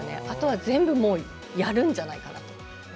あとは全部もうやるんじゃないかなと。